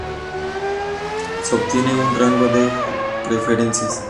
Se obtienen un rango de preferencias.